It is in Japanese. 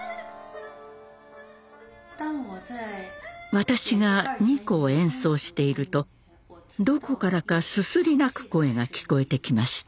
私が二胡を演奏しているとどこからかすすり泣く声が聞こえてきました。